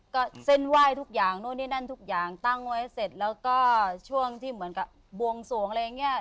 ก็เส้นไหว้ทุกอย่างนู่นนี่นั่นทุกอย่างตั้งไว้เสร็จแล้วก็ช่วงที่เหมือนกับบวงสวงอะไรอย่างนี้